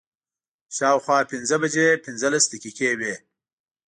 شا او خوا پنځه بجې پنځلس دقیقې وې.